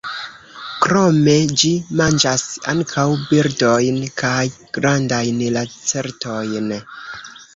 Krome ĝi manĝas ankaŭ birdojn kaj grandajn lacertojn.